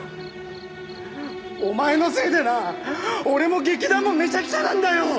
お前のせいでな俺も劇団もめちゃくちゃなんだよ！